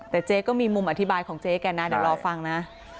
แต่เจ๊ก็มีมุมอธิบายของเจ๊แกนะเดี๋ยวรอฟังนะ